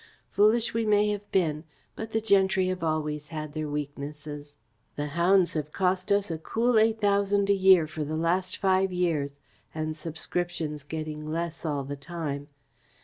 Foolish we may have been, but the gentry have always had their weaknesses. The hounds have cost us a cool eight thousand a year for the last five years, and subscriptions getting less all the time.